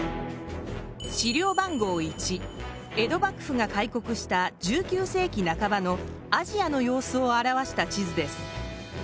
資料番号１江戸幕府が開国した１９世紀半ばのアジアの様子を表した地図です。